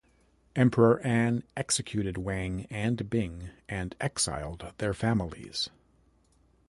Emperor An executed Wang and Bing and exiled their families.